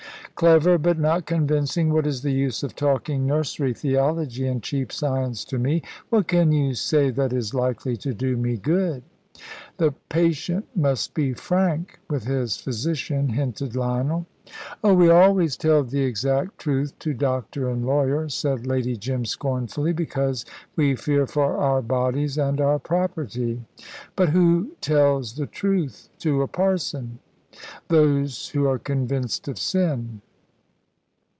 "Clever, but not convincing. What is the use of talking nursery theology and cheap science to me? What can you say that is likely to do me good?" "The patient must be frank with his physician," hinted Lionel. "Oh, we always tell the exact truth to doctor and lawyer," said Lady Jim, scornfully, "because we fear for our bodies and our property. But who tells the truth to a parson?" "Those who are convinced of sin."